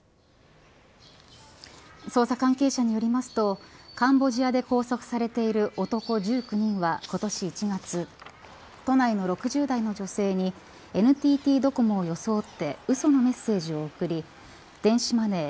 捜査関係者によりますとカンボジアで拘束されている男１９人は、今年１月都内の６０代の女性にＮＴＴドコモを装ってうそのメッセージを送り電子マネー